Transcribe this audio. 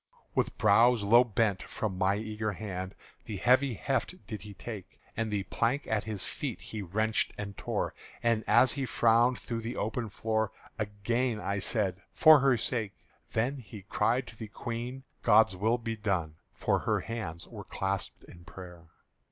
With brows low bent, from my eager hand The heavy heft did he take; And the plank at his feet he wrenched and tore; And as he frowned through the open floor, Again I said, "For her sake!" Then he cried to the Queen, "God's will be done!" For her hands were clasped in prayer.